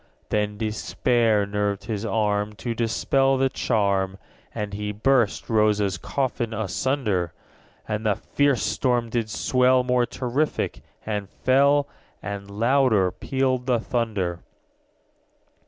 _75 14. Then despair nerved his arm To dispel the charm, And he burst Rosa's coffin asunder. And the fierce storm did swell More terrific and fell, _80 And louder pealed the thunder.